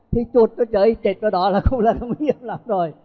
thì chuột trời chết rồi đó là không là nguy hiểm lắm rồi